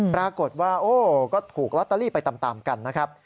ปรากฏว่าโอ้ก็ถูกลอตเตอรี่ไปตามกันนะครับ